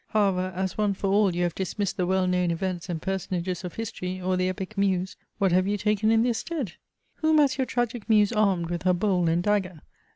However, as once for all, you have dismissed the well known events and personages of history, or the epic muse, what have you taken in their stead? Whom has your tragic muse armed with her bowl and dagger?